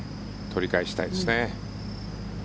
取り返したいですね。